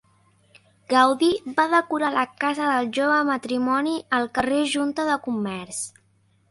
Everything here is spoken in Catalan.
Gaudí va decorar la casa del jove matrimoni al carrer Junta de Comerç.